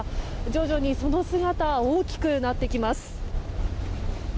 徐々にその姿は大きくなってきます。